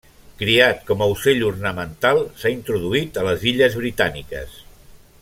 Criat com a ocell ornamental s'ha introduït a les Illes Britàniques.